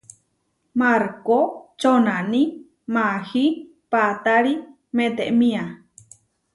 Markó čonaní maahí paatári metémia.